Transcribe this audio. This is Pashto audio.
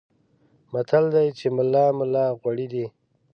متل دی چې ملا ملا غوړي دي.